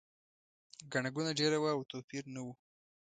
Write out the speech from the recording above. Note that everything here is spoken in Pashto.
ګڼه ګوڼه ډېره وه او توپیر نه و.